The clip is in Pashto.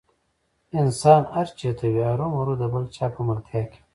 انسان هر چېرته وي ارومرو د بل چا په ملتیا کې وي.